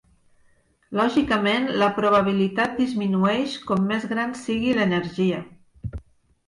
Lògicament, la probabilitat disminueix com més gran sigui l'energia.